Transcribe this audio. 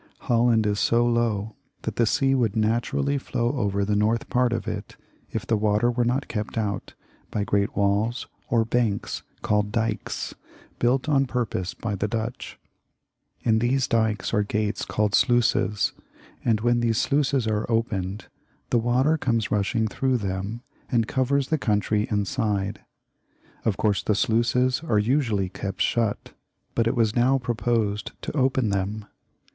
Holland is so low that the sea would naturally flow over the north part of it if the water were not kept out by great walls or banks called dykes, built on purpose by the Dutch. In these dykes are gates called sluices, and when the sluices are opened the water comes rushing through them and covers the country inside. Of course the sluices are usually kept carefully shut, but it was now proposed to open them.